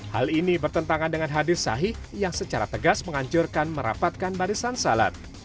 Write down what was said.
hal ini bertentangan dengan hadis sahih yang secara tegas menganjurkan merapatkan barisan salat